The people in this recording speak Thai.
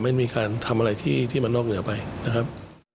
ไม่มีการทำอะไรที่มันนอกเหนือไปนะครับ